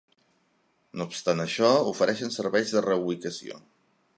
No obstant això, ofereixen serveis de reubicació.